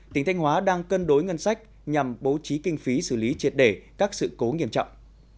tỉnh thanh hóa đang cân đối ngân sách nhằm bố trí kinh phí xử lý triệt đề các sự cố nghiêm trọng